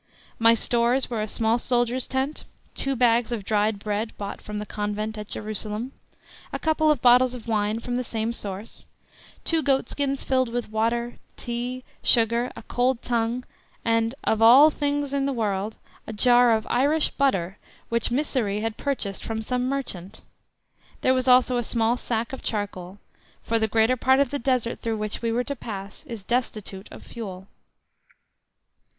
My stores were a small soldier's tent, two bags of dried bread brought from the convent at Jerusalem, and a couple of bottles of wine from the same source, two goat skins filled with water, tea, sugar, a cold tongue, and (of all things in the world) a jar of Irish butter which Mysseri had purchased from some merchant. There was also a small sack of charcoal, for the greater part of the Desert through which we were to pass is destitute of fuel.